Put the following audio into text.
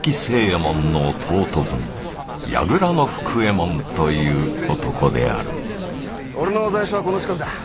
右衛門の弟分櫓の福右衛門という男である俺の在所はこの近くだ。